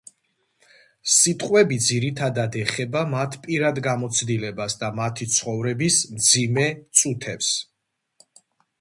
სიტყვები ძირითადად ეხება მათ პირად გამოცდილებას და მათი ცხოვრების მძიმე წუთებს.